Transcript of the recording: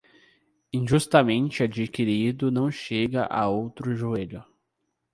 Injustamente adquirido não chega a outro joelho.